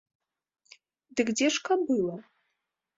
Дык дзе ж кабыла?